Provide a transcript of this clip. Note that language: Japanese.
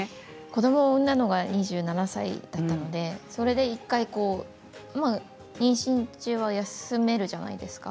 子どもを産んだのが２７歳だったのでそれで１回妊娠中は休めるじゃないですか。